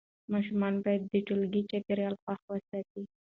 ماشوم باید د ټولګي چاپېریال خوښ وساتي.